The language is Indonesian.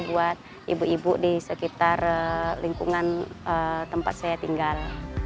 buat ibu ibu di sekitar lingkungan tempat saya tinggal